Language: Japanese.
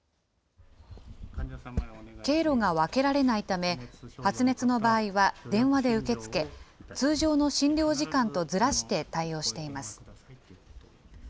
経路が分けられないため、発熱の場合は電話で受け付け、通常の診療時間とずらして対応しています。